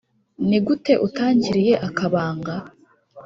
Ni gute utangiriye akabanga